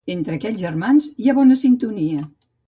Entre aquells germans hi ha bona sintonia.